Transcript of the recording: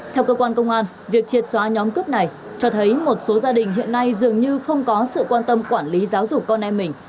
theo cơ quan công an việc triệt xóa nhóm cướp này cho thấy một số gia đình hiện nay dường như không có sự quan tâm quản lý giáo dục con em mình